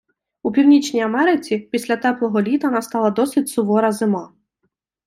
У Північній Америці після теплого літа настала досить сувора зима.